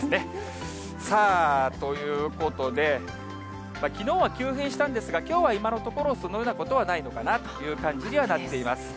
さあ、ということで、きのうは急変したんですが、きょうは今のところ、そのようなことはないのかなという感じにはなっています。